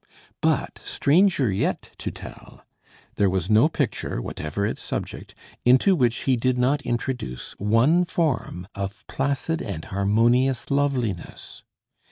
But, stranger yet to tell, there was no picture, whatever its subject, into which he did not introduce one form of placid and harmonious loveliness.